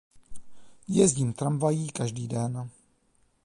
Jezdím tramvají každý den.